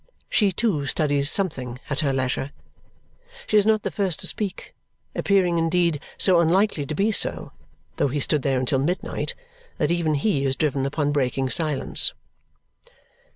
She too studies something at her leisure. She is not the first to speak, appearing indeed so unlikely to be so, though he stood there until midnight, that even he is driven upon breaking silence.